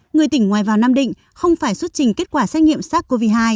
người tỉnh ngoài vào nam định không phải xuất trình kết quả xét nghiệm sars cov hai